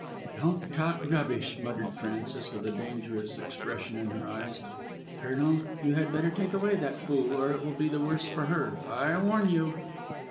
"Don't talk rubbish," muttered Frances, with a dangerous expression in her eyes. "Colonel, you had better take away that fool, or it will be the worse for her. I warn you."